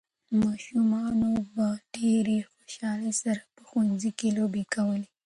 ماشومانو په ډېرې خوشالۍ سره په ښوونځي کې لوبې کولې.